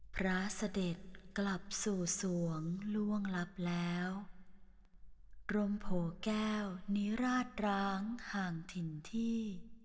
พระเสด็จกลับสู่สวงล่วงลับแล้วกรมโผแก้วนิราชร้างห่างถิ่นที่